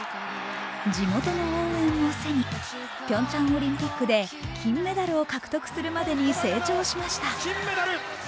地元の応援を背に、ピョンチャンオリンピックで金メダルを獲得するまでに成長しました。